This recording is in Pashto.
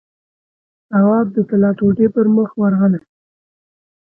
تواب د طلا ټوټې پر مخ ورغلې.